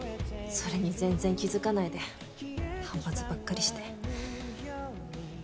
それに全然気付かないで反発ばっかりして。